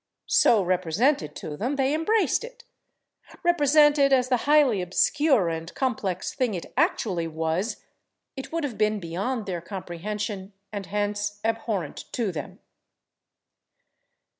So represented to them, they embraced it; represented as the highly obscure and complex thing it actually was, it would have been beyond their comprehension, and hence abhorrent to them.